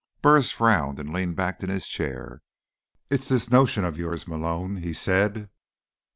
Burris frowned and leaned back in his chair. "It's this notion of yours, Malone," he said.